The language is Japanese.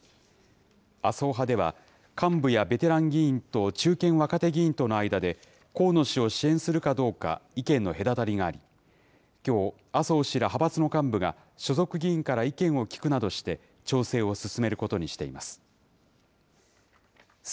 麻生派では、幹部やベテラン議員と中堅・若手議員との間で、河野氏を支援するかどうか意見の隔たりがあり、きょう、麻生氏ら派閥の幹部が、所属議員から意見を聞くなどして、調整を進めることにしています。